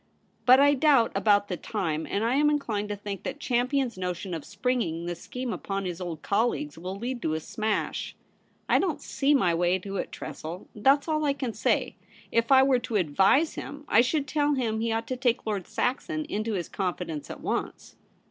' But I doubt about the time ; and I am inclined to think that Champion's notion of springing this scheme upon his old colleagues will lead to a smash. I don't see my way to it, Tressel ; that's all I can say. If I were to advise him, I should tell him he ought to take Lord Saxon into his confidence at once.'